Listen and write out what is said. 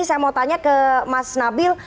saya mau tanya ke mas nabil